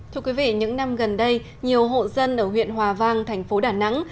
thưa quý vị những năm gần đây nhiều hộ dân ở huyện hòa vang thành phố đà nẵng